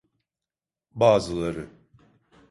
Bazıları.